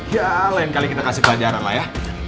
ya lain kali kita kasih pelajaran lah ya